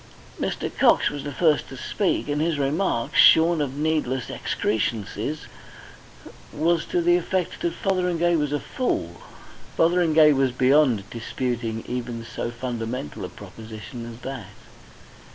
Mr. Cox was the first to speak, and his remark, shorn of needless excrescences, was to the effect that Fotheringay was a fool. Fotheringay was beyond disputing even so fundamental a proposition as that!